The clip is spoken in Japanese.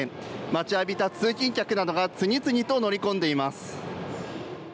待ちわびた通勤客などが次々と乗り込んでいます。